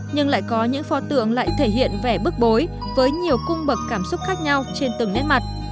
nhưng lại có những pho tượng lại thể hiện vẻ bức bối với nhiều cung bậc cảm xúc khác nhau trên từng nét mặt